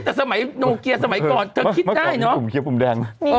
แต่สมัยโนเกียร์สมัยก่อนเธอคิดได้เนอะปุ่มเกียร์ปุ่มแดงนะ